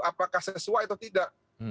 apakah sesuai atau tidak